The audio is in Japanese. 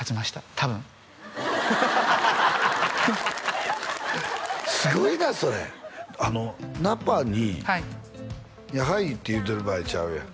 多分すごいなそれナパにはいいや「はい」って言ってる場合ちゃうやん